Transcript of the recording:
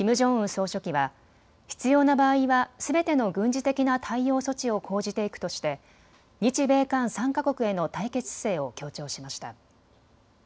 総書記は必要な場合はすべての軍事的な対応措置を講じていくとして日米韓３か国への対決姿勢を強調しました。